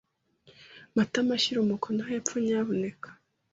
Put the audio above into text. Matamahyira umukono hepfo, nyamuneka.